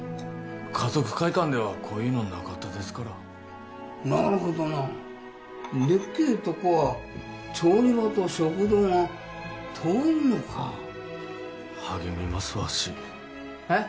華族会館ではこういうのなかったですからなるほどなでっけえとこは調理場と食堂が遠いのか励みますわしえッ？